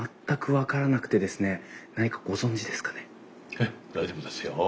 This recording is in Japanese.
ええ大丈夫ですよ。